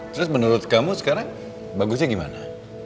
terus menurut kamu sekarang bagusnya gimana